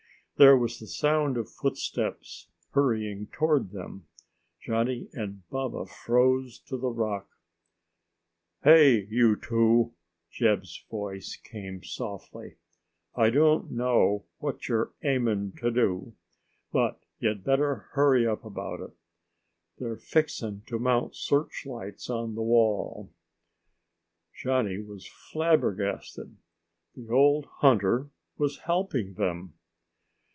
There was the sound of footsteps hurrying toward them. Johnny and Baba froze to the rock. "Hey, you two," Jeb's voice came softly, "I don't know what you're aimin' to do, but you'd better hurry up about it. They're fixin' to mount searchlights on the wall." Johnny was flabbergasted. The old hunter was helping them!